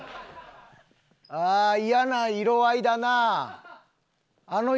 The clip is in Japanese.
ああ嫌な色合いだなあ。